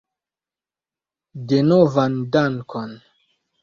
Denovan dankon.